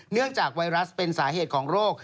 จากไวรัสเป็นสาเหตุของโรค